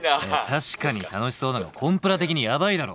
確かに楽しそうだがコンプラ的にやばいだろ。